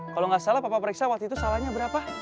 kalau nggak salah papa periksa waktu itu salahnya berapa